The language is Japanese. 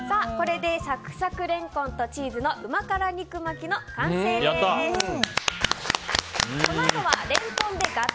これでサクサクレンコンとチーズのうま辛肉巻きの完成です。